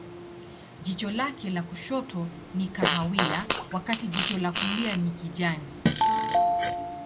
Jicho lake la kushoto ni kahawia, wakati jicho la kulia ni kijani.